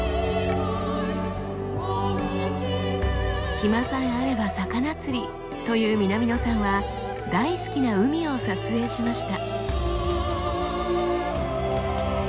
暇さえあれば魚釣りという南野さんは大好きな海を撮影しました。